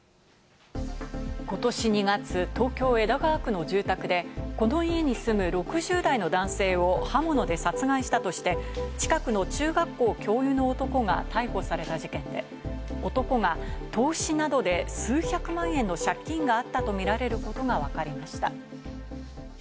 今年２月、東京・江戸川区の住宅でこの家に住む６０代の男性を刃物で殺害したとして、近くの中学校教諭の男が逮捕された事件で、男が投資などで数百万円の借金があったとみられることがわかりました。